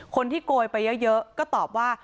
คนที่โกยไปเยอะก็ตอบว่า